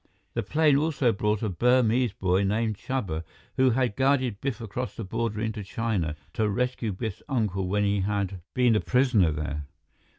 The plane also brought a Burmese boy named Chuba, who had guided Biff across the border into China, to rescue Biff's uncle when he had been a prisoner there.